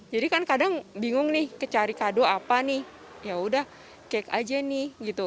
jadi kan kadang bingung nih kecari kado apa nih yaudah cake aja nih gitu